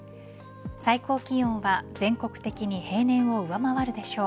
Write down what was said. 最高気温は全国的に平年を上回るでしょう。